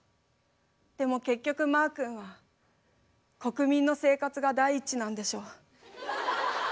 でも結局まー君は国民の生活が第一なんでしょ。